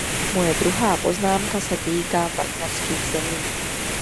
Moje druhá poznámka se týká partnerských zemí.